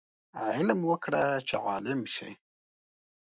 علم وکړه چې عالم شې